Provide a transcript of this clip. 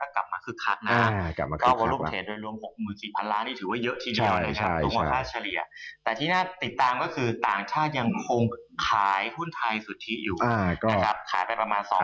ก็ถือเป็นการตับปอดอีกครั้งหนึ่งของหุ้นต่างชาติ